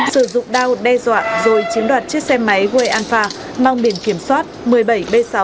sử dụng đao đe dọa rồi chiếm đoạt chiếc xe máy vue alpha mang biển kiểm soát một mươi bảy b sáu trăm năm mươi bảy nghìn hai trăm hai mươi một